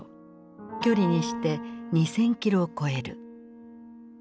距離にして２，０００キロを超える。